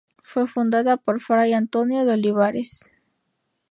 Fue fundada por Fray Antonio de Olivares.